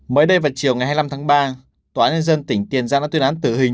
mới đây vào chiều ngày hai mươi năm tháng ba tòa án nhân dân tỉnh tiền giang đã tuyên án tử hình